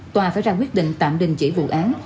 tòa phải ra quyết định tạm đình chỉ vụ án